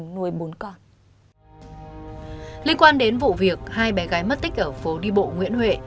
liên quan đến vụ việc hai bé gái mất tích ở phố đi bộ nguyễn huệ